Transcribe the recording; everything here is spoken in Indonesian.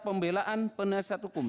pembelaan penelitian hukum